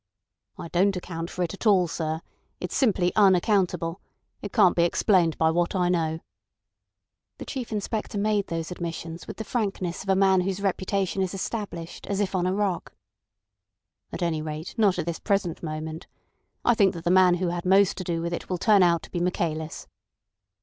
"I don't account for it at all, sir. It's simply unaccountable. It can't be explained by what I know." The Chief Inspector made those admissions with the frankness of a man whose reputation is established as if on a rock. "At any rate not at this present moment. I think that the man who had most to do with it will turn out to be Michaelis."